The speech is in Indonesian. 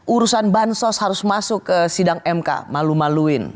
urusan bansos harus masuk ke sidang mk malu maluin